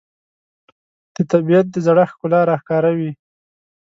د طبیعت د زړښت ښکلا راښکاره وي